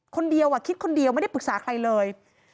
คนเดียวคิดคนเดียวไม่ได้ปรึกษาใครเลย